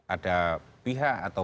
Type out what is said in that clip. ada pihak atau